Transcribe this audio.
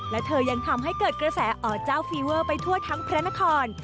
และเธอยังทำให้เกิดกระแสอเจ้าฟีเวอร์ไปทั่วทั้งพระนคร